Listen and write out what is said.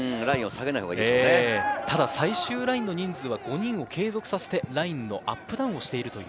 ラインを下げないほうが最終ラインは５人を継続してラインのアップダウンをしている。